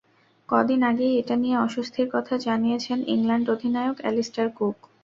কদিন আগেই এটা নিয়ে অস্বস্তির কথা জানিয়েছেন ইংল্যান্ড অধিনায়ক অ্যালিস্টার কুক।